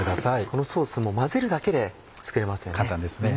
このソースも混ぜるだけで作れますよね。